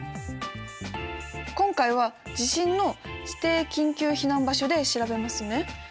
今回は地震の指定緊急避難場所で調べますね。